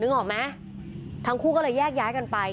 นึกออกไหมอย่างนี้ทั้งควรก็เลยยากย้ายกันไป